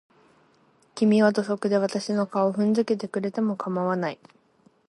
君は土足で私の顔を踏んづけてくれても構わない。